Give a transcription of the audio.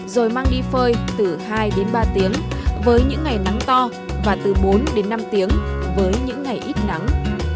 rồi mang đi phơi từ hai đến ba tiếng với những ngày nắng to và từ bốn đến năm tiếng với những ngày ít nắng